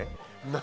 何？